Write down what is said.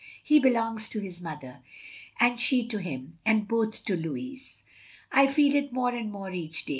He belongs to his mother, and she to him, and both to Louis. I feel it more and more each day.